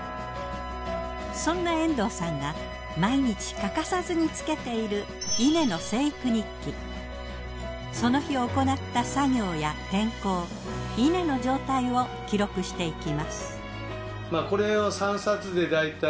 そんな遠藤さんが毎日欠かさずにつけているその日行った作業や天候稲の状態を記録していきます。